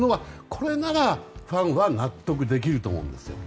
これならファンは納得できると思うんです。